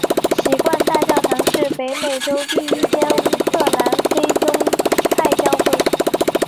锡罐大教堂是北美洲第一间乌克兰非宗派教会。